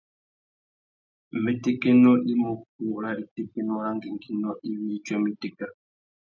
Mbétékénô i mú ukú râ itékénô râ ngüéngüinô iwí i djuêmú itéka.